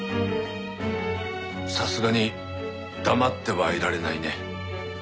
さすがに黙ってはいられないね。